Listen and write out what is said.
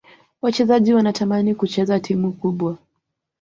wachezaji wanatamani kucheza timu kubwa